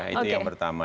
itu yang pertama